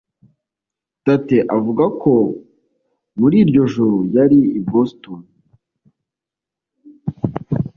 Tate avuga ko muri iryo joro yari i Boston.